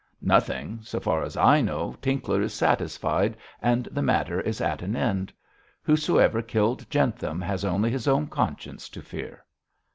'Nothing. So far as I know, Tinkler is satisfied and the matter is at an end. Whosoever killed Jentham has only his own conscience to fear.'